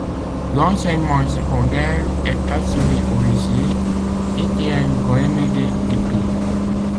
L'enseignement secondaire est assuré au lycée Etienne Goyémédé d'Ippy.